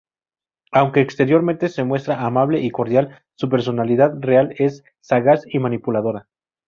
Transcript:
Aunque exteriormente se muestra amable y cordial, su personalidad real es sagaz y manipuladora.